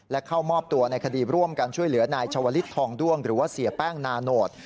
และเข้ามอบตัวในคดีร่วมกันช่วยเหลือนายชาวลิศทองด้วงหรือว่าเสียแป้งนาโนต